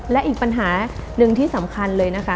และอีกปัญหาหนึ่งที่สำคัญเลยนะคะ